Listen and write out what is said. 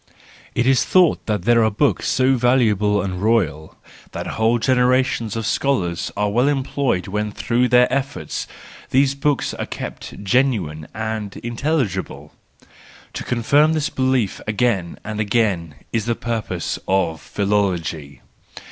—It is thought that there are books so valuable and royal that whole generations of scholars are well employed when through their efforts these books are kept genuine and intelligible,—to confirm this belief again and again is the purpose of philology.